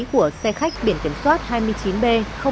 của xe khách biển kiểm soát hai mươi chín b